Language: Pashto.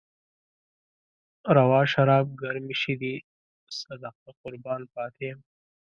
روا شراب، ګرمې شيدې، صدقه قربان پاتې يم